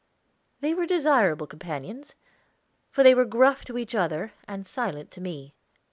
They were desirable companions, for they were gruff to each other and silent to me.